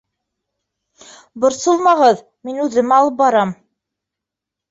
Борсолмағыҙ, мин үҙем алып барам.